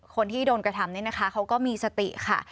คนที่โดนกระทำนี่นะคะเขาก็มีสติค่ะ